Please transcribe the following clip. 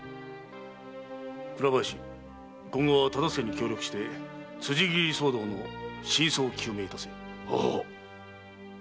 倉林今後は忠相に協力して辻斬り騒動の真相を究明いたせ。ははっ。